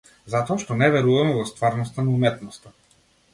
Затоа што не веруваме во стварноста на уметноста.